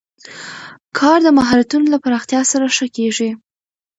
کار د مهارتونو له پراختیا سره ښه کېږي